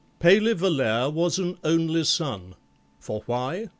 PALEY VOLLAIRE was an only son (For why?